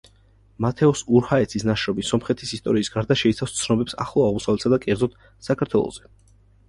მათეოს ურჰაეცის ნაშრომი სომხეთის ისტორიის გარდა შეიცავს ცნობებს ახლო აღმოსავლეთსა და, კერძოდ, საქართველოზე.